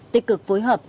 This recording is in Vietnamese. tích cực phối hợp